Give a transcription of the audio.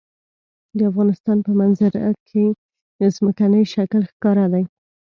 د افغانستان په منظره کې ځمکنی شکل ښکاره دی.